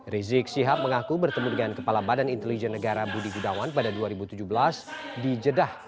rizik syihab mengaku bertemu dengan kepala badan intelijen negara budi gunawan pada dua ribu tujuh belas di jeddah